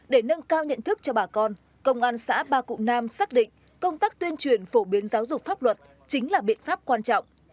để nâng cao nhận thức cho bà con công an xã ba cụm nam xác định công tác tuyên truyền phổ biến giáo dục pháp luật chính là biện pháp quan trọng